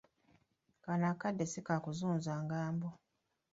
Kano akadde si kakuzunza lugambo.